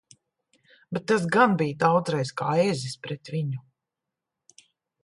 Bet es gan biju daudzreiz kā ezis pret viņu!